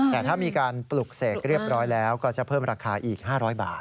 แต่ถ้ามีการปลุกเสกเรียบร้อยแล้วก็จะเพิ่มราคาอีก๕๐๐บาท